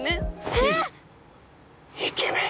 えっ！イケメン？